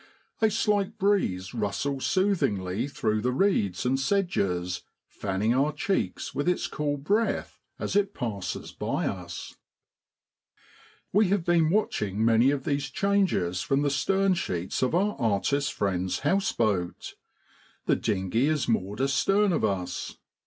A slight breeze rustles soothingly through the reeds and sedges, fanning our cheeks with its cool breath as it passes by us. STAUJAM DYKE. We have been watching many of these changes from the stern sheets of our artist friend's house boat. The dinghy is moored astern of us.